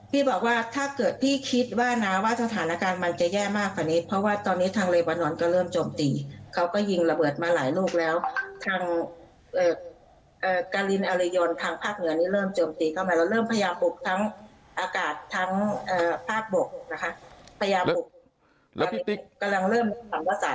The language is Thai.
พี่บอกว่าถ้าเกิดพี่คิดว่านะว่าสถานการณ์มันจะแย่มากกว่านี้เพราะว่าตอนนี้ทางเรบรนดรก็เริ่มโจมตีเขาก็ยิงระเบิดมาหลายลูกแล้วทางการินอริยนทางภาคเหนือนี้เริ่มโจมตีเข้ามาแล้วเริ่มพยายามปลุกทั้งอากาศทั้งภาคบกนะคะ